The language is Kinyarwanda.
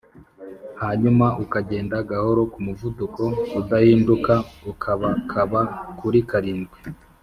hanyuma ukagenda gahoro ku muvuduko udahinduka ukabakaba kuri karindwi